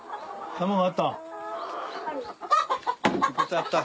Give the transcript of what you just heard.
卵あった？